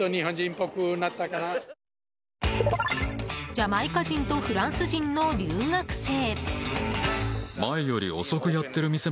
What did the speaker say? ジャマイカ人とフランス人の留学生。